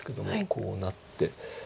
こうなって。